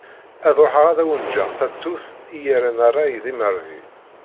Ad ruḥeγ ad awen-ğğeγ tatut i yerran ṛṛay d imerbi.